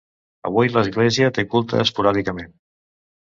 Avui l'església té culte esporàdicament.